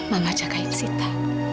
mama jagain sita